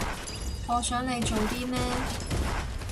我想你做啲咩